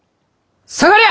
下がりゃ！